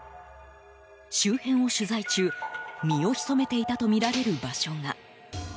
周辺を取材中身を潜めていたとみられる場所が。